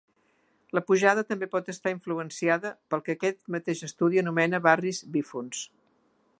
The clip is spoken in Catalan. La pujada també pot estar influenciada pel que aquest mateix estudi anomena barris bífons.